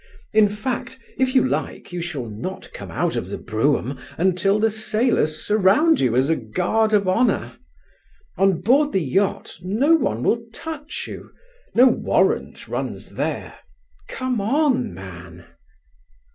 In fact, if you like you shall not come out of the brougham until the sailors surround you as a guard of honour. On board the yacht no one will touch you. No warrant runs there. Come on, man!"